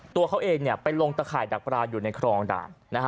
ตัวเขาเองไปลงตะข่ายดักปลาอยู่ในครองด่าน